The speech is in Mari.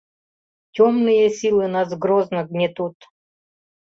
Тёмные силы нас грозно гнетут...